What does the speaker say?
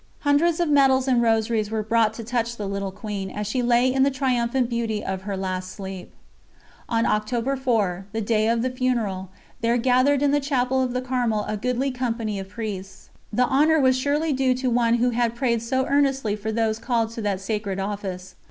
Hundreds of medals and rosaries were brought to touch the "Little Queen" as she lay in the triumphant beauty of her last sleep. ....... On October 4, the day of the funeral, there gathered in the Chapel of the Carmel a goodly company of Priests. The honour was surely due to one who had prayed so earnestly for those called to that sacred office.